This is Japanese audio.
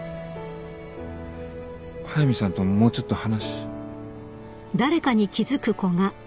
速見さんともうちょっと話。